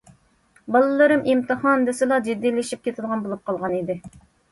بالىلىرىم« ئىمتىھان» دېسىلا جىددىيلىشىپ كېتىدىغان بولۇپ قالغان ئىدى.